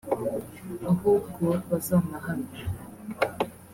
ahubwo bazanahanwe